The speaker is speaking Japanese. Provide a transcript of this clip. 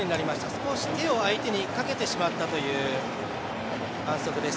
少し手を相手にかけてしまったという反則です。